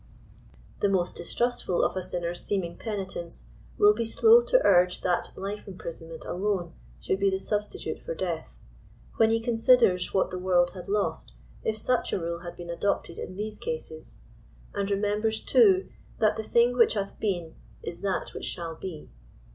The most distrustful of a sinner's seeming penitence will be slow to urge that life imprisonment alone should be the substi lute for death, when he considers what the world had lost if 32 such a rule had been adopted in these cases, and remembers too that the thing which hath been is that which shall be ; (Eccl.